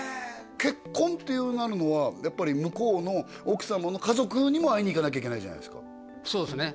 結婚ってなるのはやっぱり向こうの奥様の家族にも会いに行かなきゃいけないじゃないですかそうですね